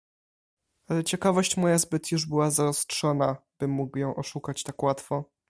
"Ale ciekawość moja zbyt już była zaostrzona, by mógł ją oszukać tak łatwo."